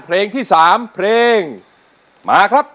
เพลงที่๓เพลงมาครับ